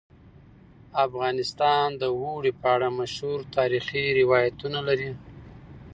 افغانستان د اوړي په اړه مشهور تاریخی روایتونه لري.